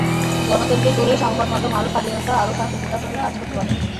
গণতন্ত্রের জোরে সংবাদমাধ্যম আরও স্বাধীনতা, আরও সাহসিকতার সঙ্গে কাজ করতে পারে।